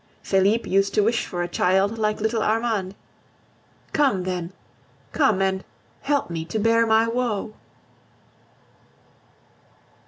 Felipe used to wish for a child like little Armand. Come, then, come and help me to bear my woe.